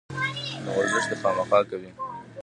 نو ورزش دې خامخا کوي